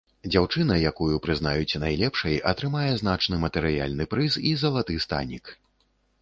Дзяўчына, якую прызнаюць найлепшай, атрымае значны матэрыяльны прыз і залаты станік.